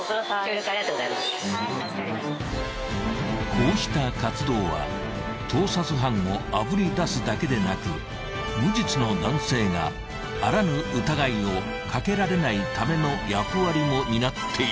［こうした活動は盗撮犯をあぶり出すだけでなく無実の男性があらぬ疑いをかけられないための役割も担っている］